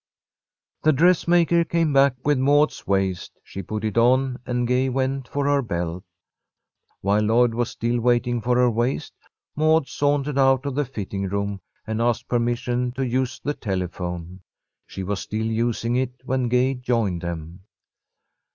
The dressmaker came back with Maud's waist. She put it on, and Gay went for her belt. While Lloyd was still waiting for her waist, Maud sauntered out of the fitting room, and asked permission to use the telephone. She was still using it when Gay joined them.